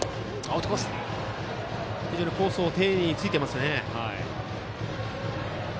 コースを丁寧についていますね。